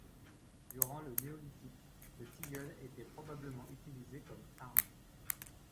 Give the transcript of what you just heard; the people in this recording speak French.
Durant le néolithique, le tilleul était probablement utilisé comme arme.